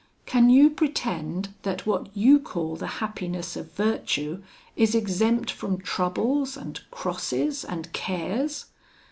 Can you pretend that what you call the happiness of virtue is exempt from troubles, and crosses, and cares?